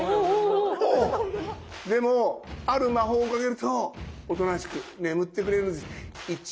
でもある魔法をかけるとおとなしく眠ってくれるんです。